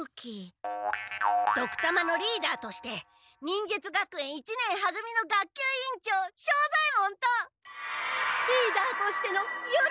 ドクたまのリーダーとして忍術学園一年は組の学級委員長庄左ヱ門とリーダーとしてのよろこび！